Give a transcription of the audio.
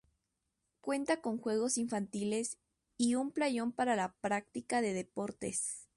Cuenta con juegos infantiles y un playón para la práctica de deportes.